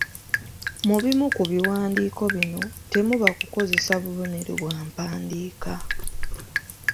Mu bimu ku biwandiiko bino, temuba kukozesa bubonero bwa mpandiika.